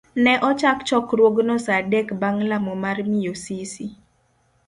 Ne ochak chokruogno sa adek bang' lamo mar miyo Sisi.